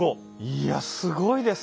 いやすごいですね。